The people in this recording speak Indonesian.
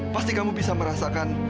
pasti kamu bisa merasakan